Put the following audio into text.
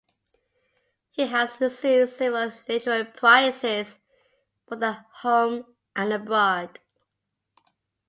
He has received several literary prizes, both at home and abroad.